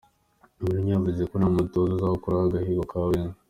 Mourinho yavuze ko nta mutoza uzakuraho agahigo ka Wenger.